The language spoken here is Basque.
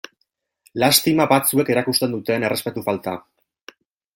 Lastima batzuek erakusten duten errespetu falta.